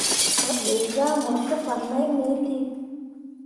Mo dǝ zahmor te fan mai me lii.